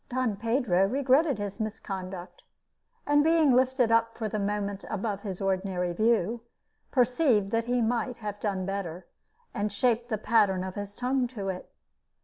Don Pedro regretted his misconduct, and being lifted up for the moment above his ordinary view, perceived that he might have done better, and shaped the pattern of his tongue to it.